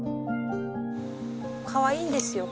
かわいいんですよ